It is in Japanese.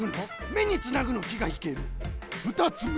めにつなぐのきがひけるふたつめ！